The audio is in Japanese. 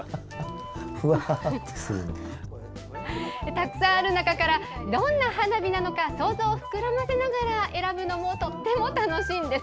たくさんある中から、どんな花火なのか想像を膨らませながら選ぶのもとっても楽しいんです。